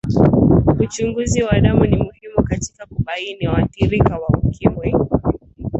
uchunguzi wa damu ni muhimu katika kubaini waathirika wa ukimwi